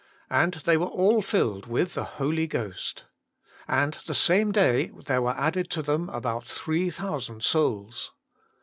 And they were all filled with the Holy Ghost. And the same day there were added to them about three thousand souls."